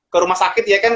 ke rumah sakit ya kan